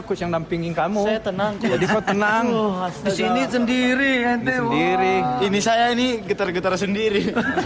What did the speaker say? coach yang nampingin kamu tenang tenang sendiri ini saya ini getar getar sendiri